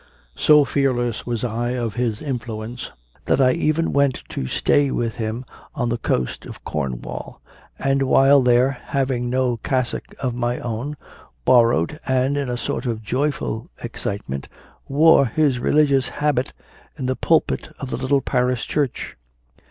So fearless was I of his influence that I even went to stay with him on the coast of Cornwall, and while there, having no cassock of my own, borrowed and, in a sort of joyful excitement, wore his Religious habit in the pulpit of the little parish church.